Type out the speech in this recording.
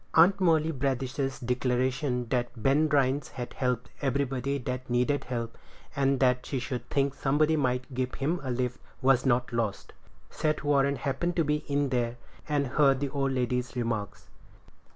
Aunt Molly Bradish's declaration that Ben Rhines had helped everybody that needed help, and that she should think somebody might give him a lift, was not lost. Seth Warren happened to be in there, and heard the old lady's remarks.